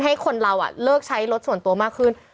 ให้คนเราเลิกใช้รถส่วนตัวมากขึ้น